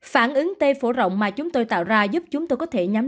phản ứng tây phổ rộng mà chúng tôi tạo ra giúp chúng tôi có thể nhắm